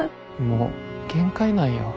もう限界なんよ。